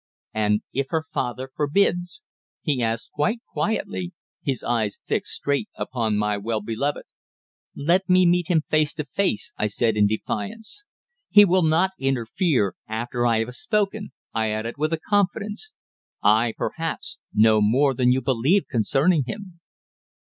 "And if her father forbids?" he asked quite quietly, his eyes fixed straight upon my well beloved. "Let me meet him face to face," I said in defiance. "He will not interfere after I have spoken," I added, with confidence. "I, perhaps, know more than you believe concerning him."